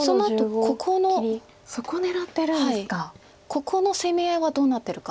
ここの攻め合いはどうなってるか。